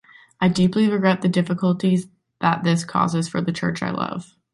I deeply regret the difficulties that this causes for the church I love.